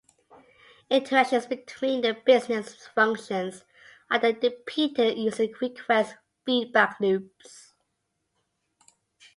Interactions between the business functions are then depicted using the request-feedback loops.